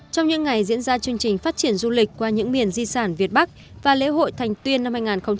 trong những ngày diễn ra chương trình phát triển du lịch qua những miền di sản việt bắc và lễ hội thành tuyên năm hai nghìn hai mươi